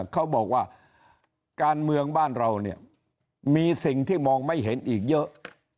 เขาบอกว่าการเมืองบ้านเราเนี่ยมีสิ่งที่มองไม่เห็นอีกเยอะ